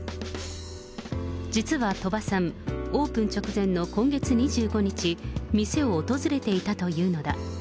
実は鳥羽さん、オープン直前の今月２５日、店を訪れていたというのだ。